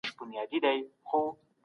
د خلګو ترمنځ باور بېرته راژوندی کړئ.